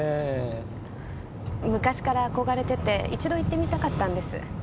昔から憧れてて一度行ってみたかったんです。